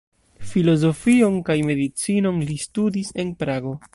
Filozofion kaj medicinon li studis en Prago.